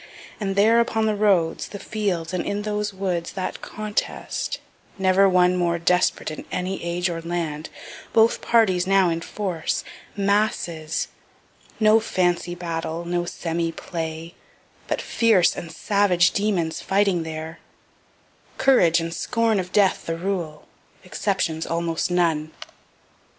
And there, upon the roads, the fields, and in those woods, that contest, never one more desperate in any age or land both parties now in force masses no fancy battle, no semi play, but fierce and savage demons fighting there courage and scorn of death the rule, exceptions almost none.